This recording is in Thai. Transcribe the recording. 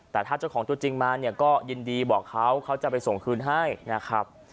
แต่ถ้าเจ้าของตัวจริงมาเนี่ยก็ยินดีบอกเขาเขาจะไปส่งคืนให้นะครับ